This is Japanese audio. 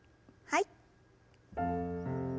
はい。